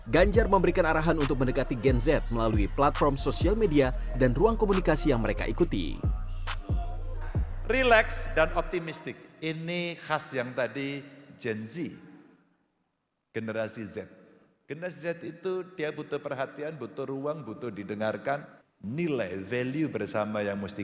ganjar memberikan arahan untuk mendekati gen z melalui platform sosial media dan ruang komunikasi yang mereka ikuti